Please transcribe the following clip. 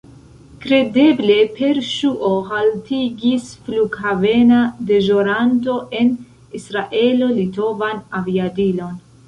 Kredeble per ŝuo haltigis flughavena deĵoranto en Israelo litovan aviadilon.